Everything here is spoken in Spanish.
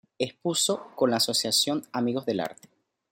Expuso con la asociación Amigos del Arte.